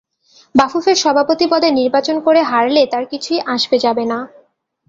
বাফুফের সভাপতি পদে নির্বাচন করে হারলে তাঁর কিছুই আসবে যাবে না।